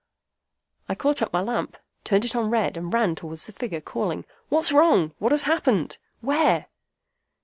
I caught up my lamp, turned it on red, and ran towards the figure, calling, 'What's wrong? What has happened? Where?